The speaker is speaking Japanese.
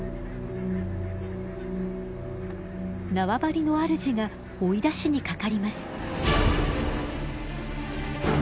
縄張りのあるじが追い出しにかかります。